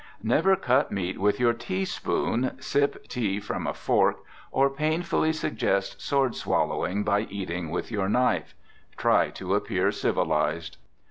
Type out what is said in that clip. Never cut meat with your teaspoon, sip tea from a fork, or painfully suggest sword swallowing by eating with your knife. Try to appear civilized.